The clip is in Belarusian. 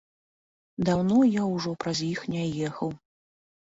Даўно я ўжо праз іх не ехаў.